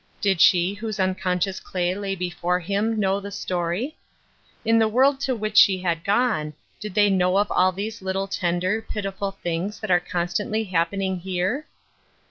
Did she whose unconscious clay lay be fore him know the story ? In the world to which she had gone, did they know of all these little ten der, pitiful things that are constantly happening here